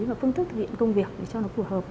và phương thức thực hiện công việc để cho nó phù hợp